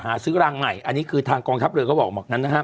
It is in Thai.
จัดหาซื้อรางใหม่อันนี้ก็คือทางกองทัพเรือก็บอกมากนั้นนะครับ